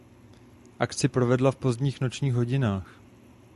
Akci provedla v pozdních nočních hodinách.